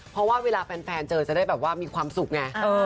เพราะว่าเวลาแฟนเจอจะได้แบบว่ามีความสุขไง